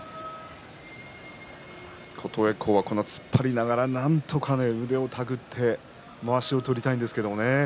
琴恵光は突っ張りながらなんとか腕を手繰ってまわしを取りたいんですがね。